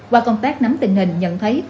qua công tác nắm tình hình nhận thấy